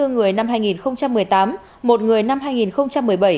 sáu mươi bốn người năm hai nghìn một mươi tám một người năm hai nghìn một mươi bảy